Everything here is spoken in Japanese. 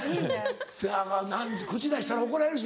せやからな口出したら怒られるしな。